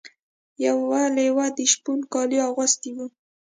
یو لیوه د شپون کالي اغوستي وو.